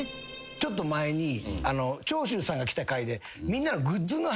ちょっと前に長州さんが来た回で。